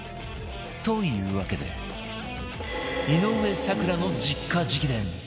というわけで井上咲楽の実家直伝！